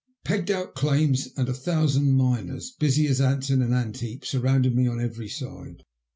Pegged out claims and a thousand miners, busy as ants in an ant heap, surrounded me on every side.